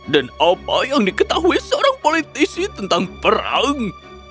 dan apa yang diketahui seorang politisi tentang perang